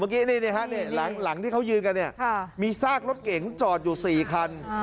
เมื่อกี้หลังที่เขายืนกันเนี่ยมีซากรถเก๋งจอดอยู่๔คัน